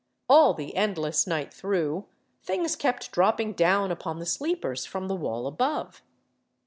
All the endless night through things kept dropping down upon the sleepers from the wall above.